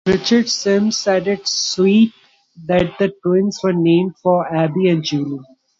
Richard Simms said it "sweet" that the twins were named for Abe and Julie.